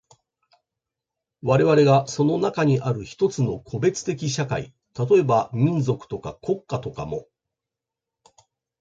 我々がその中にある一つの個別的社会、例えば民族とか国家とかも、